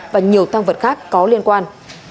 và nhiều tăng vật khác có liên quan